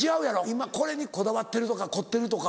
今これにこだわってるとか凝ってるとか。